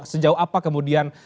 sejauh apa kemudian